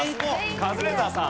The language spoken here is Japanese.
カズレーザーさん。